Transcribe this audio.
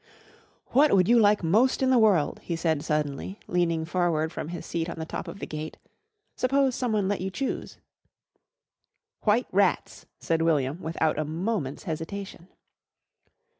"What would you like most in the world?" he said suddenly, leaning forward from his seat on the top of the gate. "Suppose someone let you choose." "White rats," said William without a moment's hesitation.